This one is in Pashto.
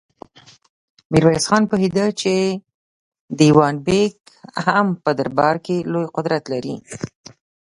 ميرويس خان پوهېده چې دېوان بېګ هم په دربار کې لوی قدرت لري.